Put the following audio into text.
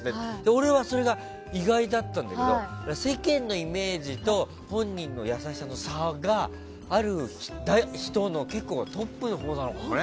俺はそれが意外だったんだけど世間のイメージと本人の優しさの差がある人の結構トップだよね。